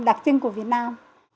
đặc trưng của việt nam